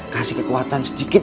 kasih kekuatan sedikit